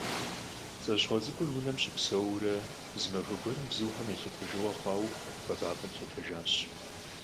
ПцӀащхъуэ цӀыкӀур унэм щыпсэууэрэ, зы махуэ гуэрым, бзухэм я лъэтэжыгъуэ хъуауэ, хуэбапӀэм лъэтэжащ.